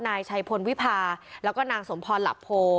นายชัยพลวิพาแล้วก็นางสมพรหลับโพ